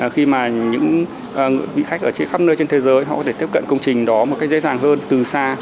khi mà những vị khách ở khắp nơi trên thế giới họ có thể tiếp cận công trình đó một cách dễ dàng hơn từ xa